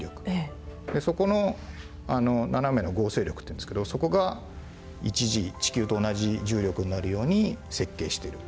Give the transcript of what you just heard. そこの斜めの合成力っていうんですけどそこが１Ｇ地球と同じ重力になるように設計してる。